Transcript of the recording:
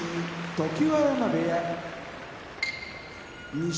常盤山部屋錦